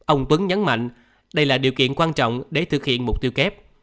ông tuấn nhấn mạnh đây là điều kiện quan trọng để thực hiện mục tiêu kép